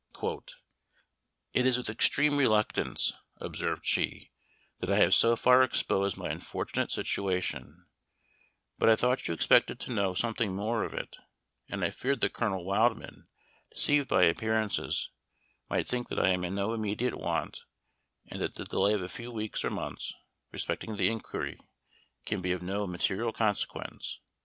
"It is with extreme reluctance," observed she, "that I have so far exposed my unfortunate situation; but I thought you expected to know something more of it, and I feared that Colonel Wildman, deceived by appearances, might think that I am in no immediate want, and that the delay of a few weeks, or months, respecting the inquiry, can be of no material consequence.